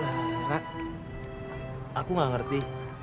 rara aku gak ngerti